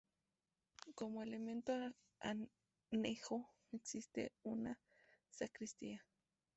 Como elemento anejo existe una sacristía.